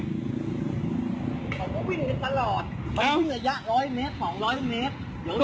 เขาก็วิ่งกันตลอดมันวิ่งระยะ๑๐๐เมตร๒๐๐เมตร